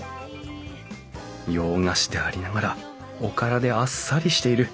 洋菓子でありながらおからであっさりしている。